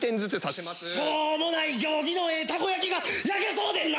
しょうもない行儀のええたこ焼きが焼けそうでんな！